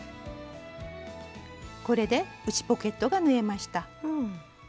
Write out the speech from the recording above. これで内ポケットが縫えました。